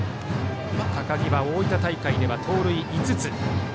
高木は大分大会では盗塁５つ。